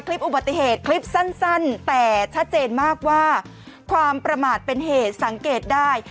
คลิปอุบัติเหตุคลิปสั้นแต่ชัดเจนมากว่าความประมาทเป็นเหตุสังเกตได้